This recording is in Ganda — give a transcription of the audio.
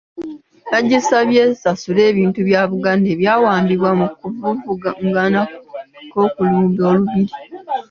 Yagisabye esasule ebintu bya Buganda ebyawambibwa mu kavuvungano k’okulumba Olubiri.